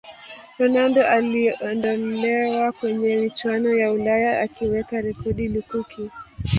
ronaldo aliondolewa kwenye michuano ya ulaya akiweka rekodi lukuki